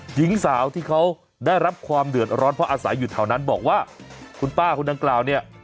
หญิงสาวที่เขาได้รับความเดือดร้อนเพราะอาศัยอยู่แถวนั้นบอกว่าคุณป้าคนดังกล่าวเนี่ย